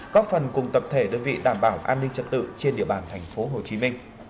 góp phần cùng tập thể đơn vị đảm bảo an ninh trật tự trên địa bàn tp hcm